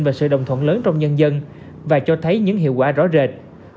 về sự đồng thuận lớn trong nhân dân và cho thấy những hiệu quả rõ rệt